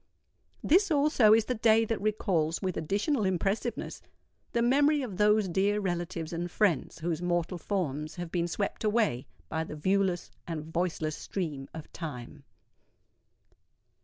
This also is the day that recalls, with additional impressiveness, the memory of those dear relatives and friends whose mortal forms have been swept away by the viewless and voiceless stream of Time.